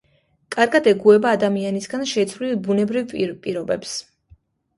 კარგად ეგუება ადამიანისაგან შეცვლილ ბუნებრივ პირობებს.